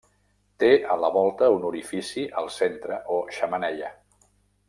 Té a la volta un orifici al centre o xemeneia.